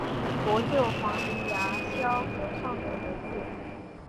国舅房林牙萧和尚的儿子。